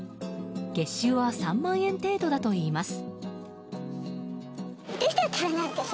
月収は３万円程度だといいます。